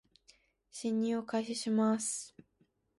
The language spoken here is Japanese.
進入を開始します